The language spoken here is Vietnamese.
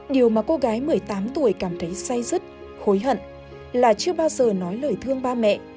điều mà cô gái một mươi tám tuổi cảm thấy say rứt hối hận là chưa bao giờ nói lời thương ba mẹ